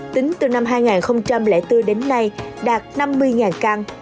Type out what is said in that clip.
tính từ năm hai nghìn bốn đến nay đạt năm mươi căn